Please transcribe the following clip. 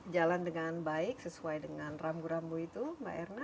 jalan dengan baik sesuai dengan rambu rambu itu mbak erna